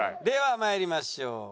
では参りましょう。